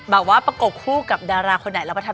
แบบว่าประกบคู่กับดาราคนไหน